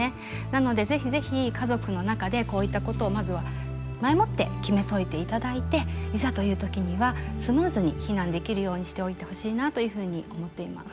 なので是非是非家族の中でこういったことをまずは前もって決めといていただいていざという時にはスムーズに避難できるようにしておいてほしいなというふうに思っています。